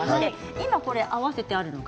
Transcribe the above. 今、合わせてあるのが。